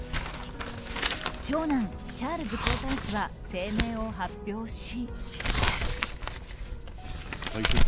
長男チャールズ皇太子は声明を発表し。